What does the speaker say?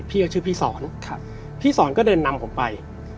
ชื่อพี่สอนพี่สอนก็เดินนำผมไป